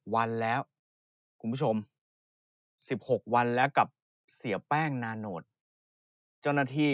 วันแล้วคุณผู้ชม๑๖วันแล้วกับเสียแป้งนาโนตของเจ้าหน้าที่